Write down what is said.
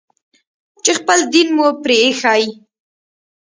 چې خپل دين مو پرې ايښى.